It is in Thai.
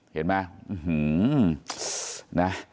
เห็นมั้ย